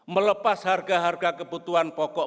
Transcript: melepas harga harga kebutuhan pokok